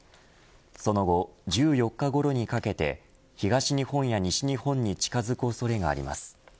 その後、１４日ごろにかけて東日本や西日本に近づく恐れがあります。